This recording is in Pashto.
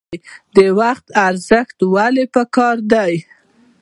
د وخت ارزښت ولې پکار دی؟